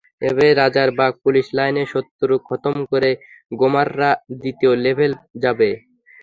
এভাবে রাজারবাগ পুলিশ লাইনে শত্রু খতম করে গেমাররা দ্বিতীয় লেভেলে যাবে।